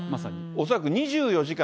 恐らく２４時間